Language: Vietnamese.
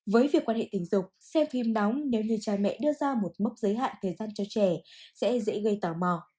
với việc quan hệ tình dục xem phim nóng nếu như cha mẹ đưa ra một mốc giới hạn thời gian cho trẻ sẽ dễ gây tò mò